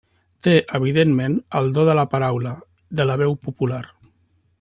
Té, evidentment, el do de la paraula, de la veu popular.